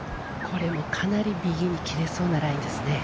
かなり右に切れそうなラインですね。